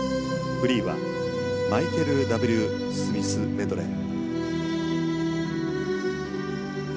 フリーは「マイケル・Ｗ・スミスメドレー」。